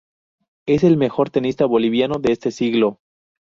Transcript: Es el mejor tenista boliviano de este siglo.